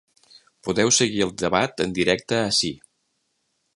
Podeu seguir el debat en directe ací.